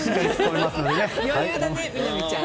余裕だね、みなみちゃん。